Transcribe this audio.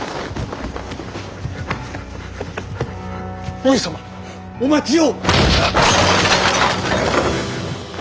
上様お待ちを！